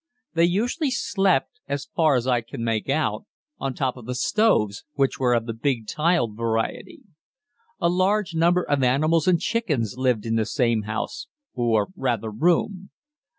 They usually slept, as far as I can make out, on top of the stoves, which were of the big tiled variety. A large number of animals and chickens lived in the same house, or rather room.